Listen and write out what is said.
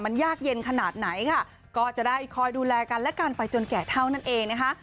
มันยากเย็นขนาดไหนค่ะก็จะได้คอยดูแลกันและกันไปจนแก่เท่านั้นเองนะคะ